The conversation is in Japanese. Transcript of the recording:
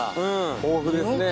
豊富ですね。